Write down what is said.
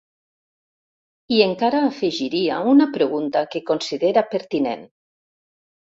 I encara afegiria una pregunta que considera pertinent—.